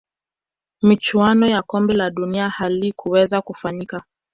michuano ya kombe la dunia halikuweza kufanyika